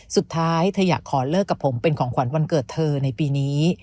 สุดท้ายเธออยากขอเลิกกับผมเป็นของขวัญวันเกิดเธอในปีนี้